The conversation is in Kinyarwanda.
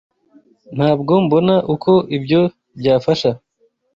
Ntabwo mbona uko ibyo byafasha.